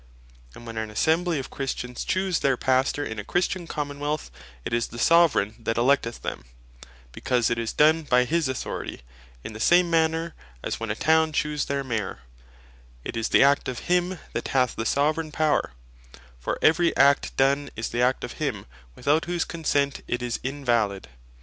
And when an Assembly of Christians choose their Pastor in a Christian Common wealth, it is the Soveraign that electeth him, because tis done by his Authority; In the same manner, as when a Town choose their Maior, it is the act of him that hath the Soveraign Power: For every act done, is the act of him, without whose consent it is invalid.